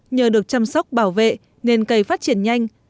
nhờ được chăm sóc bảo vệ nên cây phát triển nhanh